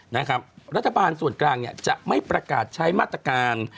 นะครับรัฐบาลส่วนกลางเนี่ยจะไม่ประกาศใช้มาตรการ